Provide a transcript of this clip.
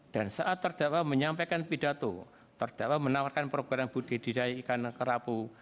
dan saat terdakwa menyampaikan pidato terdakwa menawarkan program budi didai ikan kerabu